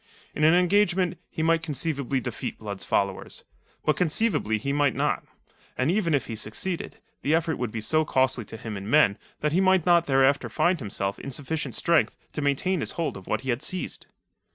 In an engagement, he might conceivably defeat Blood's followers. But conceivably he might not. And even if he succeeded, the effort would be so costly to him in men that he might not thereafter find himself in sufficient strength to maintain his hold of what he had seized.